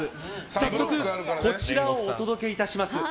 早速、こちらをお届けいたします。